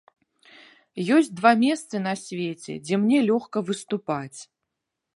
Ёсць два месцы на свеце, дзе мне лёгка выступаць.